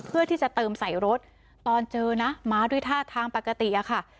เพื่อที่จะเติมใส่รถตอนเจอนะมาด้วยท่าทางปกติอะค่ะ